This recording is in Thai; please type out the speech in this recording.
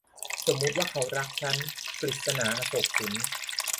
สมมติว่าเขารักฉัน - กฤษณา อโศกสิน